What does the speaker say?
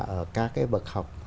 ở các cái bậc học